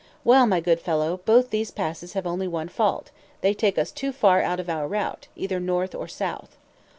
"Well, my good fellow, both these passes have only one fault; they take us too far out of our route, either north or south."